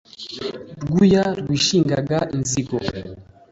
rwuya rwishingaga inzigo